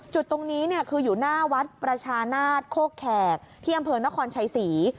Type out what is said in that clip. จุดตรงนี้คืออยู่หน้าวัดประชานาศโคกแขกที่อำเภอนครชัยศรี